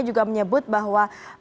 juga menyebut bahwa